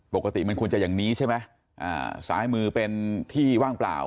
ปกติมันควรจะอย่างนี้ใช่ไหมอ่าซ้ายมือเป็นที่ว่างเปล่า